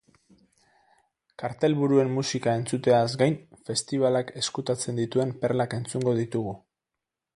Kartel buruen musika entzuteaz gain festibalak ezkutatzen dituen perlak entzungo ditugu.